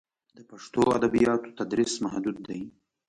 د پښتو ادبیاتو تدریس محدود دی.